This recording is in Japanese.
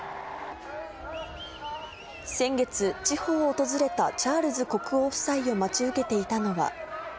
先月、地方を訪れたチャールズ国王夫妻を待ち受けていたのは。